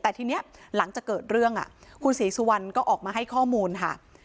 แต่ทีนี้หลังจากเกิดเรื่องคุณศรีสุวรรณก็ออกมาให้ข้อมูลค่ะ